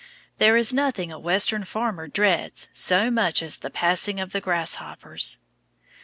There is nothing a Western farmer dreads so much as the passing of the grasshoppers.